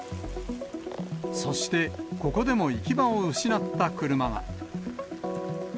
そしてここでも行き場を失った車が。